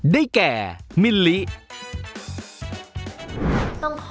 ได้แก่มิลลิต้องขอ